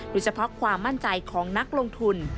โดยเฉพาะความมั่นใจของนักลงทุน